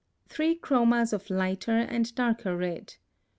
THREE CHROMAS of LIGHTER and DARKER RED.